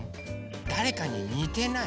だれかににてない？